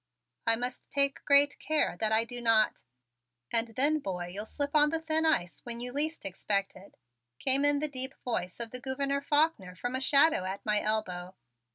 "I must take a great care that I do not " "And then, boy, you'll slip on the thin ice when you least expect it," came in the deep voice of the Gouverneur Faulkner from a shadow at my elbow.